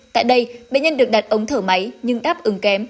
tại đây bệnh nhân được đặt ống thở máy nhưng đáp ứng kém